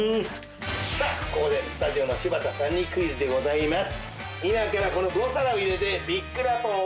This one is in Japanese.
さあここでスタジオの柴田さんにクイズでございます。